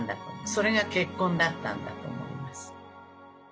それが結婚だったんだと思います。